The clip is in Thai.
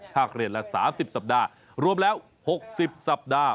หากเหรียญละ๓๐สัปดาห์รวมแล้ว๖๐สัปดาห์